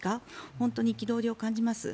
本当に憤りを感じます。